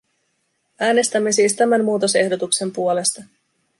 Äänestämme siis tämän muutosehdotuksen puolesta.